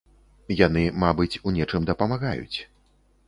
Яны, мабыць, у нечым дапамагаюць.